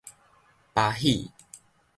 巴喜